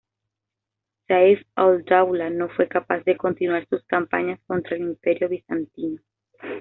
Sayf al-Dawla no fue capaz de continuar sus campañas contra el Imperio bizantino.